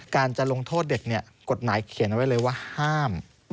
การจะลงโทษเด็กกฎหมายเขียนเอาไว้เลยว่าห้าม